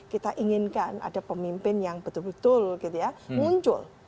kita inginkan ada pemimpin yang betul betul gitu ya muncul